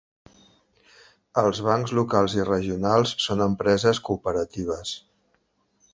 Els bancs locals i regionals són empreses cooperatives.